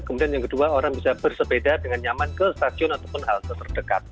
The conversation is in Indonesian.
kemudian yang kedua orang bisa bersepeda dengan nyaman ke stasiun ataupun halte terdekat